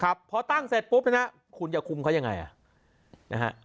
ครับพอตั้งเสร็จปุ๊บนะฮะคุณจะคุมเขายังไงอ่ะนะฮะ